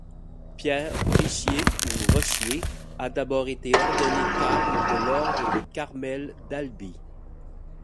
Pierre Richer ou Rochier a d'abord été ordonné carme de l'Ordre du Carmel d'Albi.